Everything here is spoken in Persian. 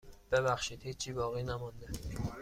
ببخشید هیچی باقی نمانده.